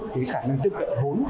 cái khả năng tiếp cận vốn